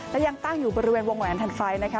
และยังตั้งอยู่บริเวณวงแหวนทันไฟนะคะ